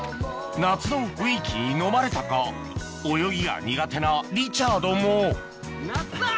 夏の雰囲気にのまれたか泳ぎが苦手なリチャードも夏だ！